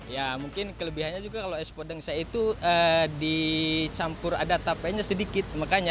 ya mungkin kelebihannya juga kalau es podeng saya itu dicampur ada tapenya sedikit